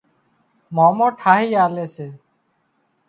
مامو ٺاهِي آلي سي